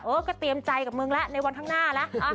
เออก็เตรียมใจกับมึงละในวันข้างหน้าละ